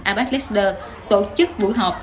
abec leader tổ chức buổi họp